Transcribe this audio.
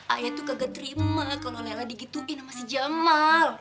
ayah itu kagak terima kalau nela digituin sama si jamal